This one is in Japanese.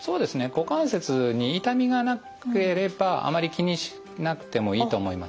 股関節に痛みがなければあまり気にしなくてもいいと思います。